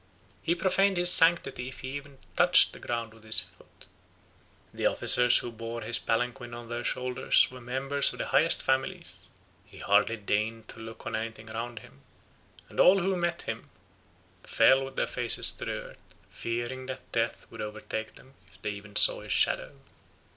He profaned his sanctity if he even touched the ground with his foot. The officers who bore his palanquin on their shoulders were members of the highest families: he hardly deigned to look on anything around him; and all who met him fell with their faces to the earth, fearing that death would overtake them if they saw even his shadow.